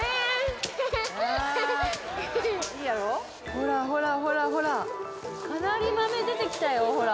ほらほらほらほら、かなり豆出てきたよ、ほら。